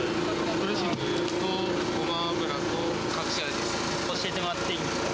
ドレッシングとごま油と隠し教えてもらっていいですか？